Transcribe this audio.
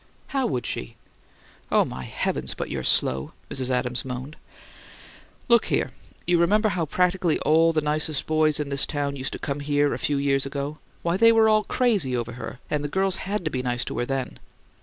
"How would she?" "Oh, my heavens, but you're slow!" Mrs. Adams moaned. "Look here! You remember how practically all the nicest boys in this town used to come here a few years ago. Why, they were all crazy over her; and the girls HAD to be nice to her then.